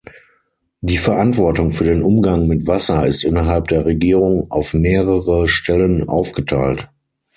Die Verantwortung für den Umgang mit Wasser ist innerhalb der Regierung auf mehrere Stellen aufgeteilt.